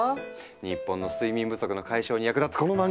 日本の睡眠不足の解消に役立つこの漫画！